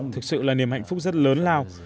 thực sự là niềm hạnh phúc rất lớn lao